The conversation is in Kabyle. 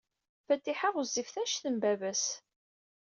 Fatiḥa ɣezzifet anect n baba-s.